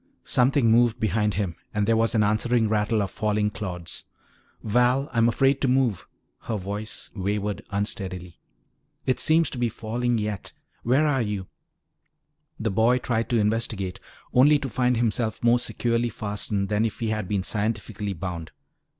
Something moved behind him and there was an answering rattle of falling clods. "Val, I'm afraid to move," her voice wavered unsteadily. "It seems to be falling yet. Where are you?" The boy tried to investigate, only to find himself more securely fastened than if he had been scientifically bound.